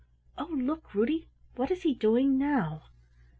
"Oh, look, Ruddy, what is he doing now?"